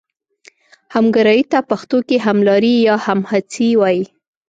همګرایي ته پښتو کې هملاري یا همهڅي وايي.